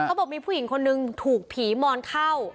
เขาบอกมีผู้หญิงคนนึงถูกผีมอนเข้า